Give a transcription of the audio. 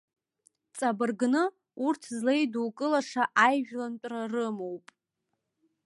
Ҵабыргны, урҭ злеидукылаша аижәлантәра рымоуп.